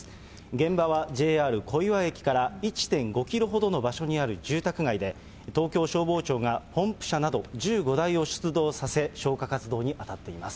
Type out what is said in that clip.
現場はＪＲ小岩駅から、１．５キロほどの場所にある住宅街で、東京消防庁がポンプ車など１５台を出動させ、消火活動に当たっています。